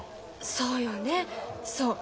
そうよねそう。